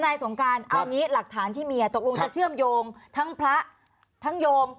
ทนายศงการเอาแบบนี้หลักฐานที่มีอย่างตกลงจะเชื่อมโยงถึงพระทั้งโยง